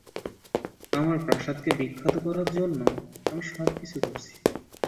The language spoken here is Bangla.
আমার প্রাসাদকে বিখ্যাত করার জন্য আমি সবকিছু করছি।